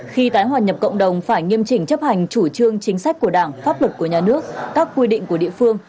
khi tái hòa nhập cộng đồng phải nghiêm chỉnh chấp hành chủ trương chính sách của đảng pháp luật của nhà nước các quy định của địa phương